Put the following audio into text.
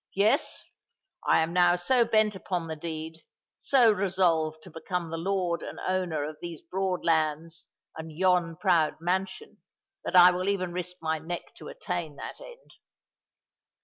"Yes: I am now so bent upon the deed—so resolved to become the lord and owner of these broad lands and yon proud mansion—that I will even risk my neck to attain that end."